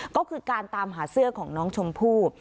ก็คือการตามหาเสื้อของน้องชมพู่